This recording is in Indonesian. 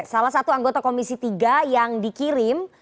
salah satu anggota komisi tiga yang dikirim